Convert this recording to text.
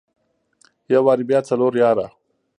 يو واري بيا څلور ياره.